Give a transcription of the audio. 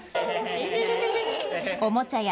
おもちゃや